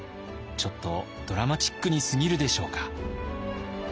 ちょっとドラマチックにすぎるでしょうか。